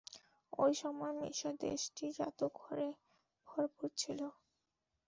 ঐ সময় মিসর দেশটি জাদুকরে ভরপুর ছিল।